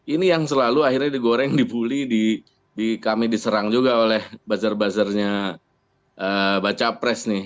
ini yang selalu akhirnya digoreng dibully kami diserang juga oleh buzzer buzzernya baca pres nih